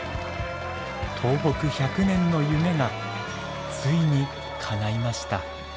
東北１００年の夢がついにかないました。